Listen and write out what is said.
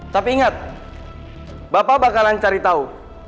tapi ingat bapak bakalan cari tahu